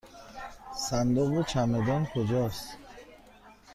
صندوق چمدان کجاست؟